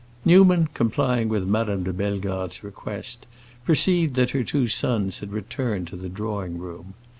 Newman, complying with Madame de Bellegarde's request, perceived that her two sons had returned to the drawing room.